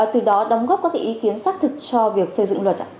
từ đó đóng góp các cái ý kiến xác thực cho việc xây dựng luật ạ